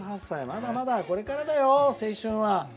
まだまだこれからだよ、青春は。